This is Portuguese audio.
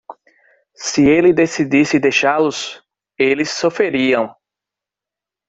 Se ele decidisse deixá-los?, eles sofreriam.